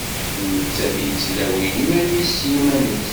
D nettat i yettlawin iman-is s yiman-is.